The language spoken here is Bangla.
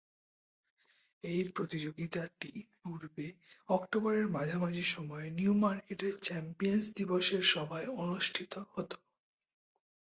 এই প্রতিযোগিতাটি পূর্বে অক্টোবরের মাঝামাঝি সময়ে নিউমার্কেটের চ্যাম্পিয়নস দিবসের সভায় অনুষ্ঠিত হতো।